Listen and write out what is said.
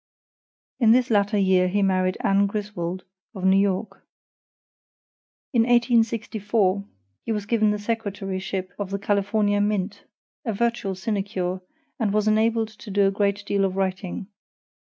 In this latter year he married Anne Griswold of New York. In 1864 he was given the secretaryship of the California mint, a virtual sinecure, and he was enabled do a great deal of writing.